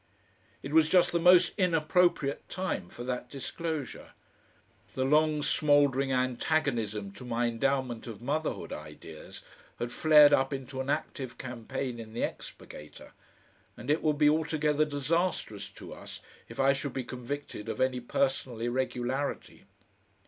It was just the most inappropriate time for that disclosure. The long smouldering antagonism to my endowment of motherhood ideas had flared up into an active campaign in the EXPURGATOR, and it would be altogether disastrous to us if I should be convicted of any personal irregularity.